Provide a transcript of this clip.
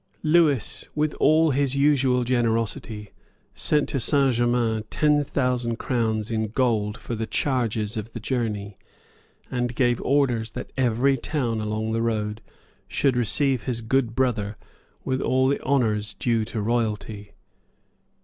Lewis, with all his usual generosity, sent to Saint Germains ten thousand crowns in gold for the charges of the journey, and gave orders that every town along the road should receive his good brother with all the honours due to royalty.